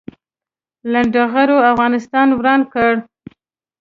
لنډغرو افغانستان وران کړ